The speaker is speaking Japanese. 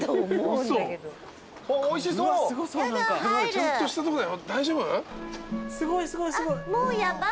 ちゃんとしたとこだよ大丈夫？